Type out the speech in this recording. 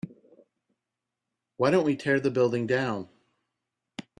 why don't we tear the building down?